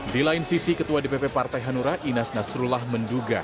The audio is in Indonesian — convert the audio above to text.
di lain sisi ketua dpp partai hanura inas nasrullah menduga